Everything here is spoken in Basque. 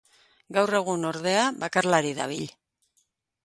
Gaur egun, ordea, bakarlari dabil.